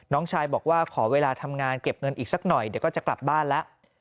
น้องชายบอกว่าขอเวลาทำงานเก็บเงินอีกสักหน่อยเดี๋ยวก็จะกลับบ้านแล้ว